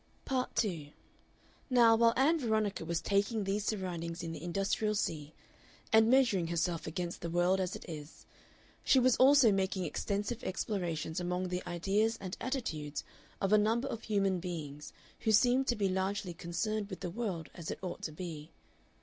Part 2 Now, while Ann Veronica was taking these soundings in the industrial sea, and measuring herself against the world as it is, she was also making extensive explorations among the ideas and attitudes of a number of human beings who seemed to be largely concerned with the world as it ought to be.